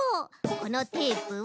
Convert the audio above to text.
このテープを。